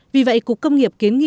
vì vậy cục công nghiệp kiến nghị